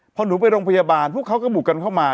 พอหนูไปโรงพยาบาลพวกเขาก็บุกกันเข้ามา